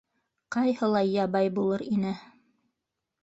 Ҡайһылай ябай булыр ине.